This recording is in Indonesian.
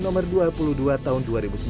nomor dua puluh dua tahun dua ribu sembilan